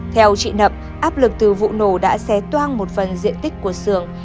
theo chị nậm áp lực từ vụ nổ đã xé toan một phần diện tích của sưởng